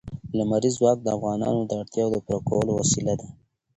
لمریز ځواک د افغانانو د اړتیاوو د پوره کولو وسیله ده.